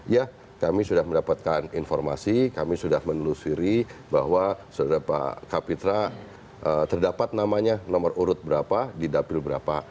ya kami sudah mendapatkan informasi kami sudah menelusuri bahwa sudah pak kapitra terdapat namanya nomor urut berapa